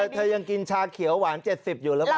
เธอยังกินชาเขียวหวานเจ็ดสิบอยู่หรือเปล่า